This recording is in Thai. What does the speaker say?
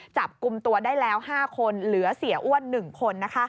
จับกลุ่มตัวได้แล้ว๕คนเหลือเสียอ้วน๑คน